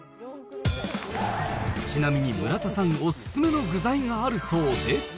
ちなみに村田さんお勧めの具材があるそうで。